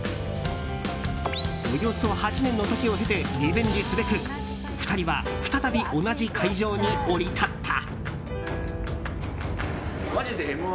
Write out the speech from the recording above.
およそ８年の時を経てリベンジすべく２人は再び同じ会場に降り立った。